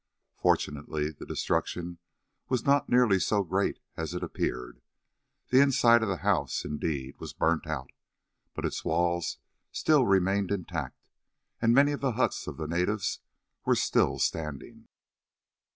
Fortunately the destruction was not nearly so great as it appeared. The inside of the house, indeed, was burnt out, but its walls still remained intact, also many of the huts of the natives were still standing.